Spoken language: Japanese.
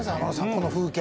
この風景。